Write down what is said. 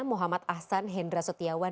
muhammad ahsan hendra sotiawan